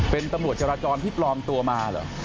เป็นตำรวจจราจรที่ปลอมตัวมาเหรอ